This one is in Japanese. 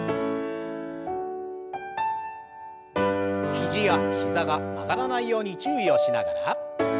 肘や膝が曲がらないように注意をしながら。